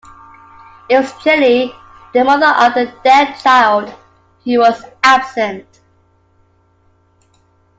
It was Jenny, the mother of the dead child, who was absent.